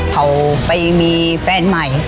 เขาไปมีแฟนใหม่